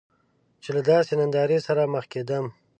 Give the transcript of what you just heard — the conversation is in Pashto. چې له داسې نندارې سره مخ کیدم.